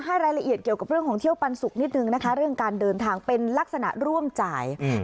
ให้รายละเอียดเกี่ยวกับเรื่องของเที่ยวปันสุกนิดนึงนะคะเรื่องการเดินทางเป็นลักษณะร่วมจ่ายอืม